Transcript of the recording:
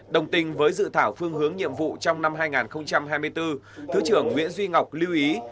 đồng tình với dự thảo phương hướng nhiệm vụ trong năm hai nghìn hai mươi bốn thứ trưởng nguyễn duy ngọc lưu ý